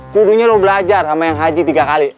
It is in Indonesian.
kudunya lu belajar sama yang haji tiga kali